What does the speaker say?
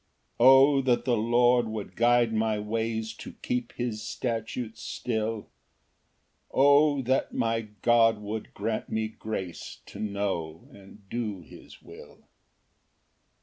Ver. 5 33. 1 O that the Lord would guide my ways To keep his statutes still! O that my God would grant me grace To know and do his will!